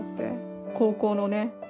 高校のね